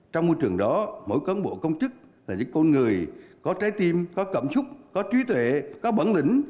trong môi trường đó mỗi cán bộ công chức là những con người có trái tim có cảm xúc có trí tuệ có bản lĩnh